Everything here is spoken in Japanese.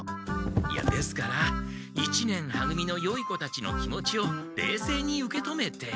いやですから一年は組のよい子たちの気持ちをれいせいに受け止めて。